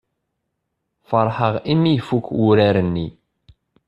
Feṛḥeɣ i mi ifukk wurar-nni.